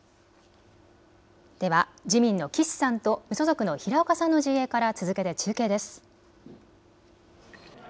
では自民の岸さんと無所属の平岡さんの陣営から続けて中継です。